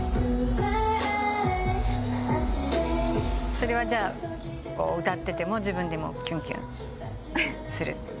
それは歌ってても自分でもキュンキュンする？